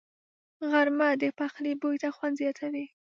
غرمه د پخلي بوی ته خوند زیاتوي